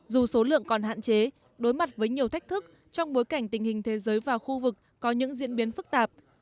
dù số lượng còn hạn chế đối mặt với nhiều thách thức trong bối cảnh tình hình thế giới và khu vực có những diễn biến phức tạp